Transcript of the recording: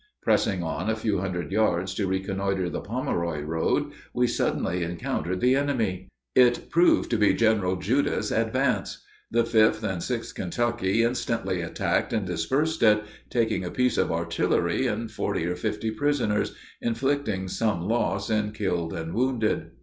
Pressing on a few hundred yards to reconnoiter the Pomeroy road, we suddenly encountered the enemy. It proved to be General Judah's advance. The 5th and 6th Kentucky instantly attacked and dispersed it, taking a piece of artillery and forty or fifty prisoners, inflicting some loss in killed and wounded.